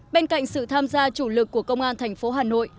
bên cạnh sự tham gia chủ lực của công an thành phố hà nội